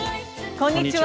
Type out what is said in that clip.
こんにちは。